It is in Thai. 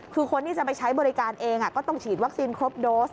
คือคนที่จะไปใช้บริการเองก็ต้องฉีดวัคซีนครบโดส